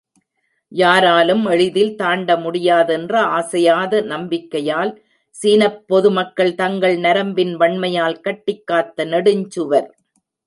யாராலும் எளிதில் தாண்டமுடியாதென்ற அசையாத நம்பிக்கையால் சீனப் பொதுமக்கள் தங்கள் நரம்பின் வண்மையால் கட்டிக்காத்த நெடுஞ்சுவர்.